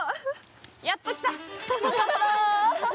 やっときた！